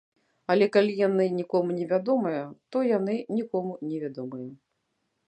Але калі яны нікому не вядомыя, то яны нікому не вядомыя.